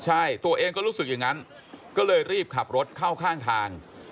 ใช่ตัวเองก็รู้สึกอย่างนั้นก็เลยรีบขับรถเข้าข้างทาง